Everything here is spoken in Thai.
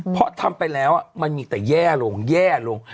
เพราะทำไปแล้วมันมีแต่แย่ลงแย่ลง